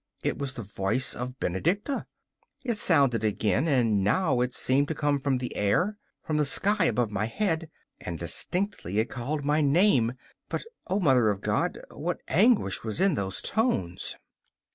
It was the voice of Benedicta! It sounded again, and now it seemed to come from the air from the sky above my head, and distinctly it called my name; but, O Mother of God, what anguish was in those tones!